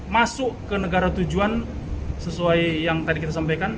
masuk ke negara tujuan sesuai yang tadi kita sampaikan